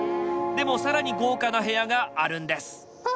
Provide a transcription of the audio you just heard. でも更に豪華な部屋があるんです。